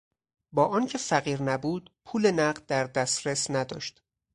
با آنکه فقیر نبود پول نقد در دسترس نداشت.